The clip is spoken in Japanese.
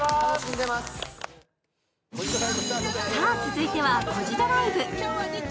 続いては「コジドライブ」。